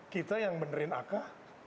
kita yang menerin ak gitu